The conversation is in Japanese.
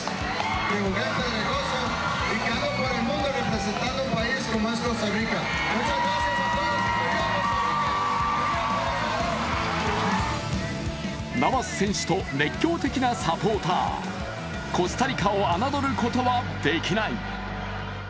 ナバス選手と熱狂的なサポーター、コスタリカをあなどることはできない。